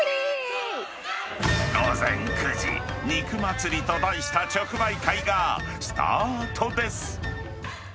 午前９時、肉祭りと題した直売会がスタートです。